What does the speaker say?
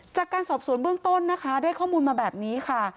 จากการสอบสวนเบื้องต้นนะคะได้ข้อมูลมาแบบนี้ค่ะ